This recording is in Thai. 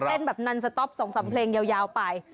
แบบนันสต๊อป๒๓เพลงยาวไป